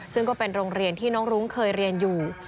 ซึ่งก็เป็นโรงเรียนที่น้องรุ้งเคยเรียนอยู่